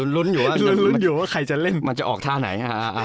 รุนอยู่ว่าใครจะเล่นมันจะออกท่าไหน